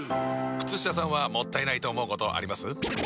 靴下さんはもったいないと思うことあります？